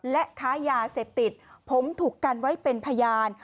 และค้ายาเสพติดผมถูกกันไว้เป็นพยาน